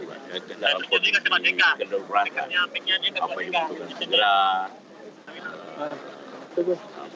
dalam kondisi generasi apa yang berkumpul dengan masyarakat